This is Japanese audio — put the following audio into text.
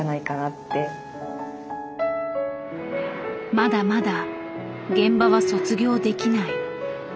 まだまだ現場は卒業できない。